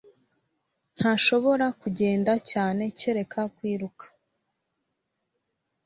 Ntashobora kugenda cyane kereka kwiruka